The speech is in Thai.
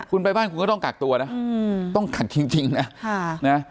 คุณไปบ้านคุณก็ต้องกักตัวนะอืมต้องขัดจริงจริงน่ะค่ะน่ะ